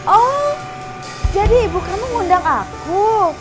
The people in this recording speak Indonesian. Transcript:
oh jadi ibu kamu mengundang aku